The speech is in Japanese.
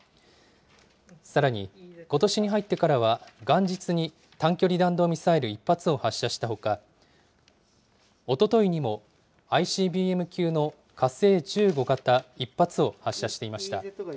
さらにことしに入ってからは、元日に短距離弾道ミサイル１発を発射したほか、おとといにもＩＣＢＭ級の火星１５型１発を発射していました。